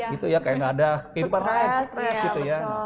kayak nggak ada kehidupan lain